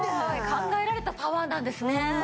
考えられたパワーなんですね。